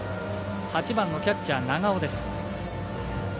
８番のキャッチャー、長尾です。